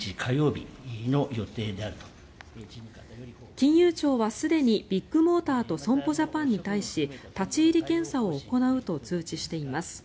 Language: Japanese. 金融庁はすでにビッグモーターと損保ジャパンに対し立ち入り検査を行うと通知しています。